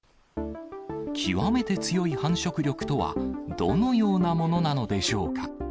極めて強い繁殖力とは、どのようなものなのでしょうか。